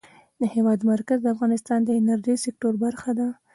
د هېواد مرکز د افغانستان د انرژۍ سکتور برخه ده.